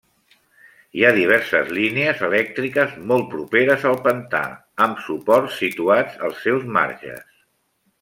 Hi ha diverses línies elèctriques molt properes al pantà, amb suports situats als seus marges.